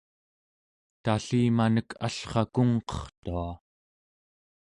tallimanek allrakungqertua